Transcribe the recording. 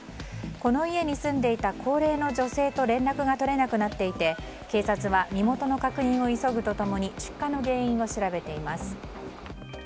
この家に住んでいた高齢の女性と連絡が取れなくなっていて警察は身元の確認を急ぐと共に出火の原因を調べています。